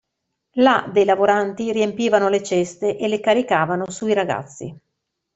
Là dei lavoranti riempivano le ceste e le caricavano sui ragazzi.